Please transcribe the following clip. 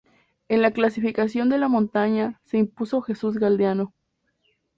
En la clasificación de la montaña se impuso Jesús Galdeano.